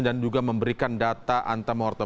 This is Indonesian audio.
dan juga memberikan data antamortem